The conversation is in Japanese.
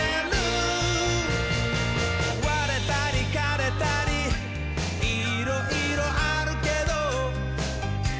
「われたりかれたりいろいろあるけど」